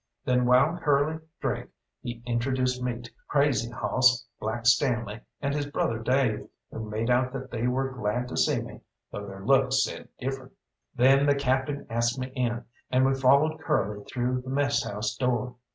Then while Curly drank he introduced me to Crazy Hoss, Black Stanley, and his brother Dave, who made out that they were glad to see me, though their looks said different. Then the Captain asked me in, and we followed Curly through the mess house door.